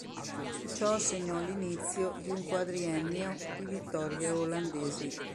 Ciò segnò l'inizio di un quadriennio di vittorie olandesi.